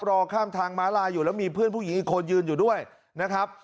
รอข้ามทางม้าลายอยู่แล้วมีเพื่อนผู้หญิงอีกคนยืนอยู่ด้วยนะครับ